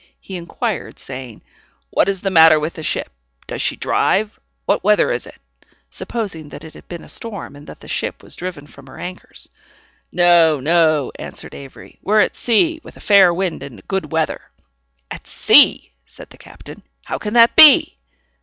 He inquired, saying, "What is the matter with the ship? does she drive? what weather is it?" supposing that it had been a storm, and that the ship was driven from her anchors. "No, no," answered Avery, "we're at sea, with a fair wind and a good weather." "At sea!" said the captain: "how can that be?"